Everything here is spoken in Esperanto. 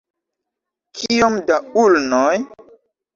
Kiom da ulnoj?